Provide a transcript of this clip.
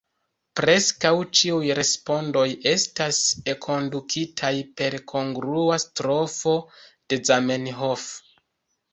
Preskaŭ ĉiuj respondoj estas enkondukitaj per kongrua strofo de Zamenhof.